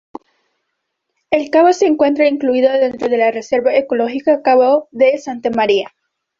El cabo se encuentra incluido dentro de la reserva ecológica cabo de Santa María.